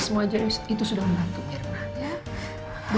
semua itu sudah membantu mirna